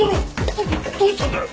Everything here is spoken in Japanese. どどどうしたんだよ！？